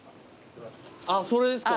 あっそれですか。